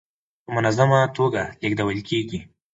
په منظمه ټوګه لېږدول کيږي.